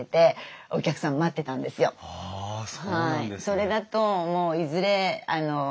それだともういずれね